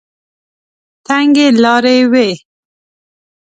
تنګې لارې وې.